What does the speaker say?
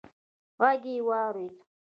غږ يې واورېد: